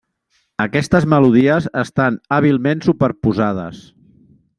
Aquestes melodies estan hàbilment superposades.